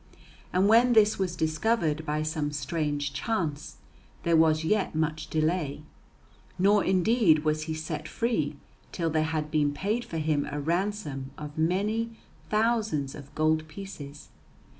And when this was discovered by some strange chance, there was yet much delay, nor indeed was he set free till there had been paid for him a ransom of many thousands of gold pieces.